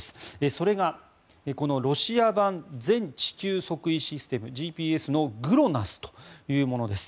それがこのロシア版全地球測位システム・ＧＰＳのＧＬＯＮＡＳＳというものです。